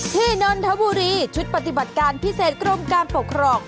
นนทบุรีชุดปฏิบัติการพิเศษกรมการปกครอง